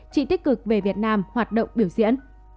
chị tích cực về việt nam hoạt động biểu diễn